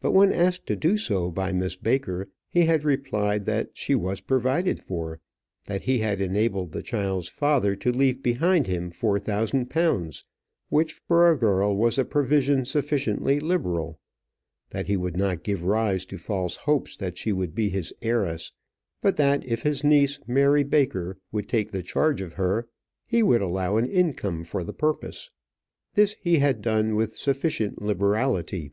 But when asked to do so by Miss Baker, he had replied that she was provided for; that he had enabled the child's father to leave behind him four thousand pounds, which for a girl was a provision sufficiently liberal; that he would not give rise to false hopes that she would be his heiress; but that if his niece, Mary Baker, would take the charge of her, he would allow an income for the purpose. This he had done with sufficient liberality.